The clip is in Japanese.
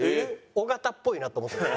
尾形っぽいなと思ってるもん。